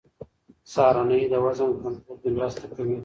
سهارنۍ د وزن کنټرول کې مرسته کوي.